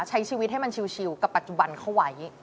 ใช้ชีวิตให้มันชิลกับปัจจุบันเข้าไว้